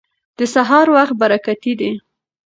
د سهار وخت برکتي دی.